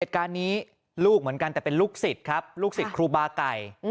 เหตุการณ์นี้ลูกเหมือนกันแต่เป็นลูกศิษย์ครับลูกศิษย์ครูบาไก่